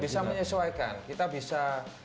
bisa menyesuaikan kita bisa